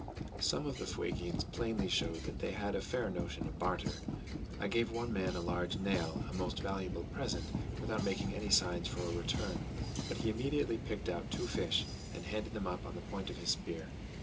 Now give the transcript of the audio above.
Some of the Fuegians plainly showed that they had a fair notion of barter. I gave one man a large nail (a most valuable present) without making any signs for a return; but he immediately picked out two fish, and handed them up on the point of his spear.